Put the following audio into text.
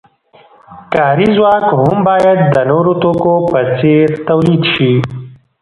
کاري ځواک هم باید د نورو توکو په څیر تولید شي.